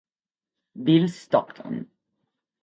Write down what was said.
Bill Stockton.